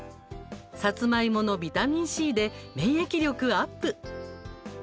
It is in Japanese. さつまいものビタミンＣで免疫力アップ。